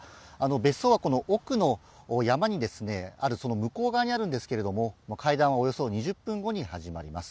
別荘は奥の山のその向こう側にあるんですが会談はおよそ２０分後に始まります。